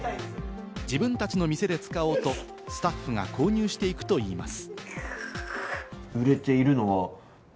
自分たちの店で使おうとスタッフが購入していくといいます。